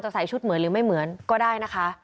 ใส่ชุดเหมือนหรือไม่เหมือนก็ได้นะคะ